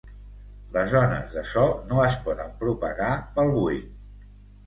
Les ones de so no es poden propagar pel buit.